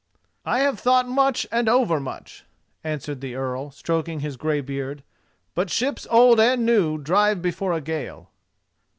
"I have thought much and overmuch," answered the Earl, stroking his grey beard; "but ships old and new drive before a gale."